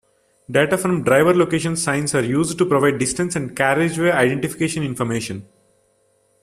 Data from driver location signs are used to provide distance and carriageway identification information.